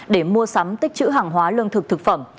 để mua sắm tích chữ hàng hóa lương thực thực phẩm